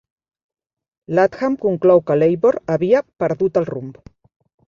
Latham conclou que Labor havia "perdut el rumb".